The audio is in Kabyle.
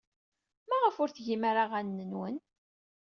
Maɣef ur tgim ara aɣanen-nwen?